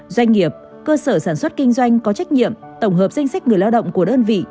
doanh nghiệp cơ sở sản xuất kinh doanh có trách nhiệm tổng hợp danh sách người lao động của đơn vị